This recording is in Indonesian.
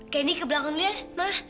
candy ke belakang dulu ya ma